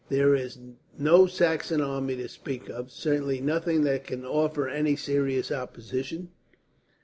There is no Saxon army to speak of, certainly nothing that can offer any serious opposition.